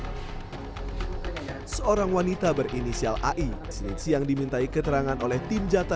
hai seorang wanita berinisial ai disini siang dimintai keterangan oleh tim jatah